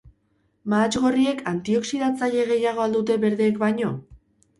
Mahats gorriek antioxidatzaile gehiago al dute berdeek baino?